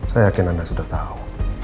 saya yakin anda sudah tahu